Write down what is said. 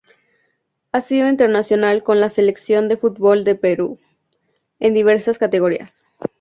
Ha sido internacional con la selección de fútbol del Perú en diversas categorías.